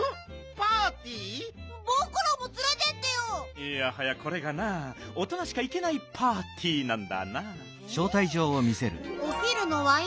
いやはやこれがなおとなしかいけないパーティーなんだな。